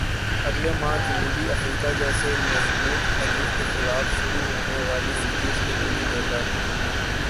اگلے ماہ جنوبی افریقہ جیسے مضبوط حریف کے خلاف شروع ہونے والی سیریز کے نتیجے کا